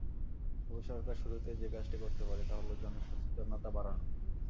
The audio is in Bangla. তবে সরকার শুরুতেই যে কাজটি করতে পারে তা হলো জনসচেতনতা বাড়ানো।